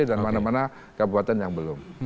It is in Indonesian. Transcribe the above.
dan mana mana kabupaten yang belum